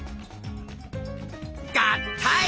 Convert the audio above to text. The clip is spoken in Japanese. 合体！